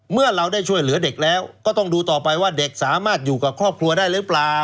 เมื่อเราได้ช่วยเหลือเด็กแล้วก็ต้องดูต่อไปว่าเด็กสามารถอยู่กับครอบครัวได้หรือเปล่า